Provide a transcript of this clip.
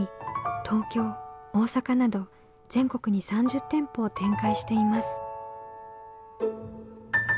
東京大阪など全国に３０店舗を展開しています。